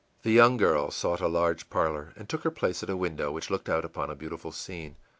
î The young girl sought a large parlor and took her place at a window which looked out upon a beautiful scene.